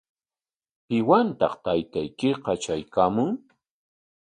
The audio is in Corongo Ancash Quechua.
¿Piwantaq taytaykiqa traykaamun?